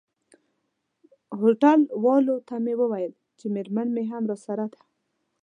هوټل والاو ته مې وویل چي میرمن مي هم راسره ده.